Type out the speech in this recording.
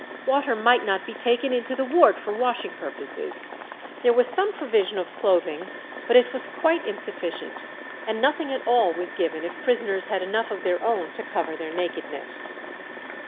Water might not be taken into the ward for washing purposes. There was some provision of clothing, but it was quite insufficient, and nothing at all was given if prisoners had enough of their own to cover their nakedness.